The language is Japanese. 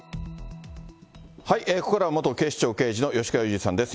ここからは元警視庁刑事の吉川祐二さんです。